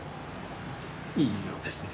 いい色ですね。